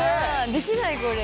できないこれ。